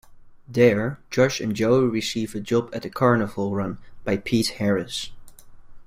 There, Josh and Joey receive a job at a carnival run by Pete Harris.